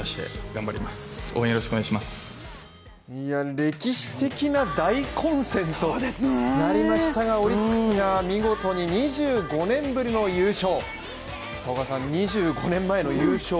歴史的な大混戦となりましたがオリックスが見事に２５年ぶりの優勝